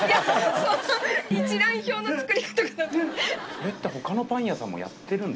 それって他のパン屋さんもやってるんですか？